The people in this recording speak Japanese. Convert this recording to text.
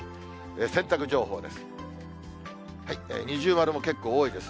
洗濯情報です。